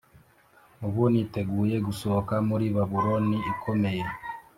Ubu niteguye gusohoka muri Babuloni Ikomeye